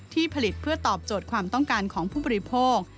ผลิตเพื่อตอบโจทย์ความต้องการของผู้บริโภค